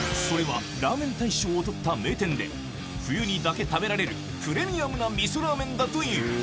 それはラーメン大賞を取った名店で冬にだけ食べられるプレミアムなみそラーメンだという